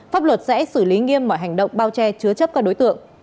pháp luật sẽ xử lý nghiêm mọi hành động bao che chứa chấp các đối tượng